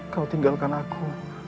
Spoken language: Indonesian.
kau tinggalkan aku